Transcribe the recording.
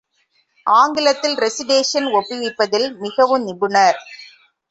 ஆங்கிலத்தில் ரெசிடேஷன் ஒப்புவிப்பதில் மிகவும் நிபுணர்.